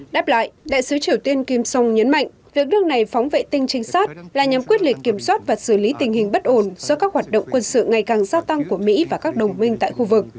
đáp lại đại sứ triều tiên kim song nhấn mạnh việc nước này phóng vệ tinh trinh sát là nhằm quyết liệt kiểm soát và xử lý tình hình bất ổn do các hoạt động quân sự ngày càng gia tăng của mỹ và các đồng minh tại khu vực